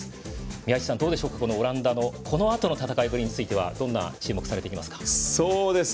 宮市さん、どうでしょうかオランダのこのあとの戦いぶりはどこに注目されますか？